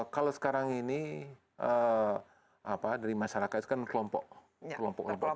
kalau sekarang ini dari masyarakat itu kan kelompok kelompok